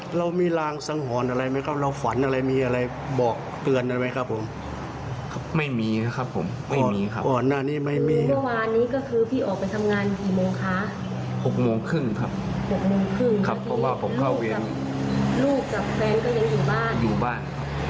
ครับเพราะว่าผมเข้าเวียนลูกกับแฟนก็ยังอยู่บ้าน